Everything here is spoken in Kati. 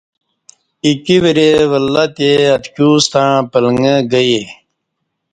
ایکی ورے ولہّ تے اتکیوستݩع پلݩگہ گئے